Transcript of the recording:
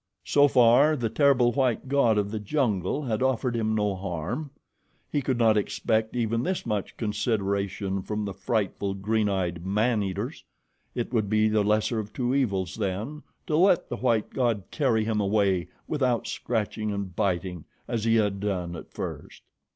So far the terrible white god of the jungle had offered him no harm. He could not expect even this much consideration from the frightful, green eyed man eaters. It would be the lesser of two evils, then, to let the white god carry him away without scratching and biting, as he had done at first.